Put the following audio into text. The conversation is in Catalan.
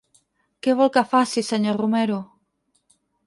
Què vol que faci, senyor Romero?